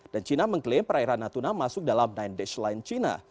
dan cina mengklaim perairan natuna masuk dalam nine dash line cina